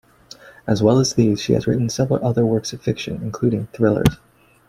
As well as these she has written several other works of fiction, including thrillers.